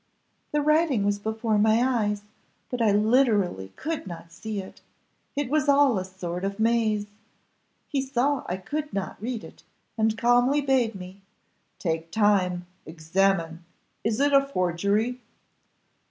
"The writing was before my eyes, but I literally could not see it it was all a sort of maze. He saw I could not read it, and calmly bade me 'Take time examine is it a forgery?